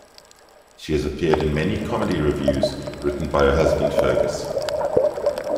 She has appeared in many comedy revues written by her husband Fergus.